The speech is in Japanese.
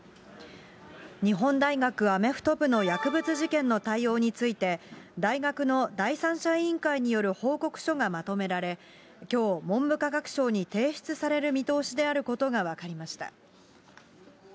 日本大学アメフト部の薬物事件の対応について、大学の第三者委員会による報告書がまとめられ、きょう、文部科学省に提出される見通しであることが分かりました。